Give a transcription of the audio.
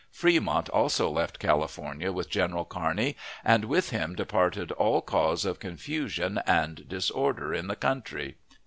Fremont also left California with General Kearney, and with him departed all cause of confusion and disorder in the country.